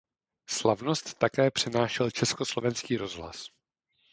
Slavnost také přenášel československý rozhlas.